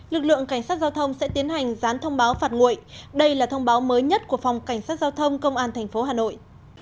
lực lượng cảnh sát giao thông sẽ tiến hành gián thông báo phạt nguội đây là thông báo mới nhất của phòng cảnh sát giao thông công an tp hà nội